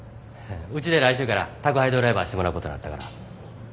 うちで来週から宅配ドライバーしてもらうことになったから。